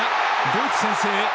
ドイツ先制。